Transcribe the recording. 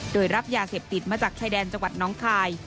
โดยรับยาเสพติดมาจากชายแดนจังหวัดน้องคาย